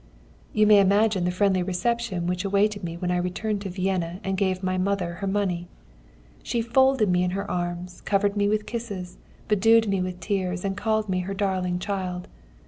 "You may imagine the friendly reception which awaited me when I returned to Vienna and gave my mother her money. She folded me in her arms, covered me with kisses, bedewed me with tears, and called me her darling child.